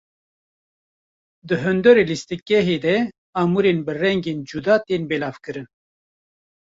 Di hundirê lîstikgehê de amûrên bi rengên cuda tên belavkirin.